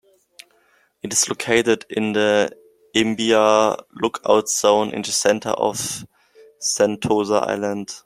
It is located in the Imbiah Lookout zone in the centre of Sentosa Island.